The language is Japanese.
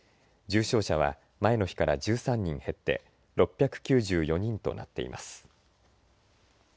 重症者は前の日から１３人減って６９４人となっています。